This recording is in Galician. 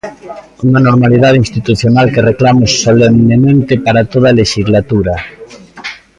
Unha normalidade institucional que reclamo solemnemente para toda a lexislatura.